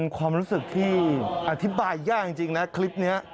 ความรู้สึกที่อธิบายยากจริงนะคลิปนี้